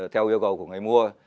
theo yêu cầu của người mua